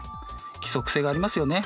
規則性がありますよね。